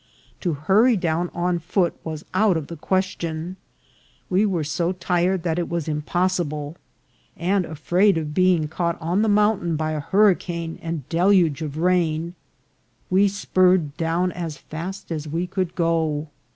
To hurry down on foot was out of the question. We were so tired that it was impossible ; and, afraid of ATTACKS OF MoSCHETOES. 277 being caught on. the mountain by a hurricane and del uge of rain, we spurred down as fast as we could go.